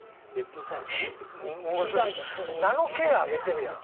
ナノケアあげてるやん。